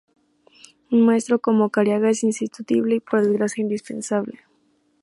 Un maestro como Careaga es insustituible y, por desgracia, indispensable.